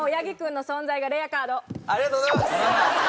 ありがとうございます。